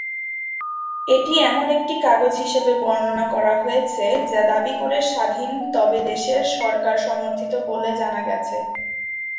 এটি এমন একটি কাগজ হিসাবে বর্ণনা করা হয়েছে, যা দাবি করে স্বাধীন, তবে দেশের সরকার সমর্থিত বলে জানা গেছে।